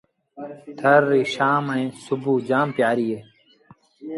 ٿر ريٚ شآم ائيٚݩ سُڀو جآم پيٚآريٚ اهي۔